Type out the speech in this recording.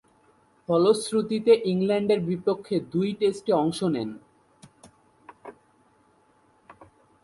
ফলশ্রুতিতে ইংল্যান্ডের বিপক্ষে দুই টেস্টে অংশ নেন।